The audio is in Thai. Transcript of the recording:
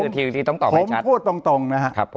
ผมพูดตรงนะฮะ